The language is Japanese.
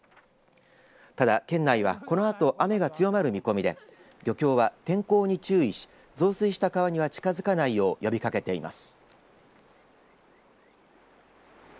ただ、県内はこのあと雨が強まる見込みで漁協は、天候に注意し増水した川には近づかないよう呼びかけています。